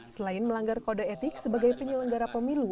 selain melanggar kode etik sebagai penyelenggara pemilu